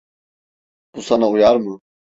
Bu sana uyar mı?